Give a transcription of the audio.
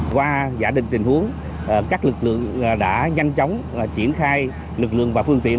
qua giả định tình huống các lực lượng đã nhanh chóng triển khai lực lượng và phương tiện